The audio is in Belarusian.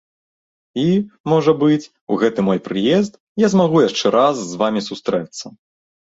І, можа быць, у гэты мой прыезд я змагу яшчэ раз з вамі сустрэцца.